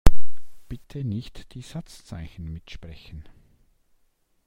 Bitte nicht die Satzzeichen mitsprechen.